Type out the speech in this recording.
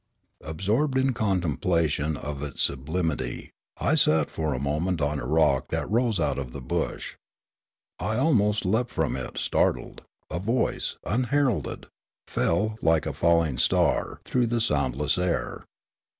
Absorbed in contemplation of its sublimity, I sat for a moment on a rock that rose out of the bush. I almost leapt from it, startled; a voice, unheralded, fell "like a falling star" through the soundless air.